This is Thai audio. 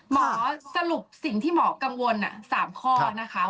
หมอสรุปสิ่งที่หมอกังวล๓ข้อนะคะ